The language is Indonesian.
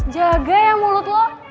jaga ya mulut lo